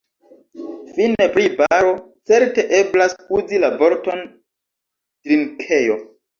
Fine pri baro: Certe eblas uzi la vorton drinkejo.